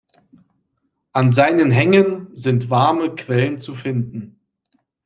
An seinen Hängen sind warme Quellen zu finden.